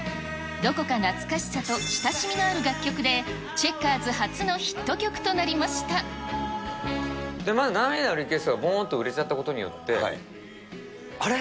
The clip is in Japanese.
どこが懐かしさと親しみのある楽曲で、チェッカーズ初のヒット曲となりまず、涙のリクエストがぼーんと売れちゃったことによって、あれ？